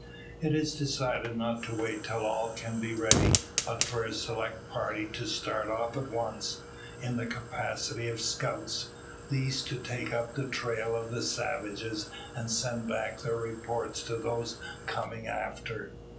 It is decided not to wait till all can be ready; but for a select party to start off at once, in the capacity of scouts; these to take up the trail of the savages, and send back their report to those coming after.